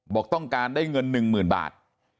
บอกต้องการได้เงิน๑๐๐๐บาท